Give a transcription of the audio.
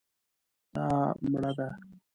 دا مړه ده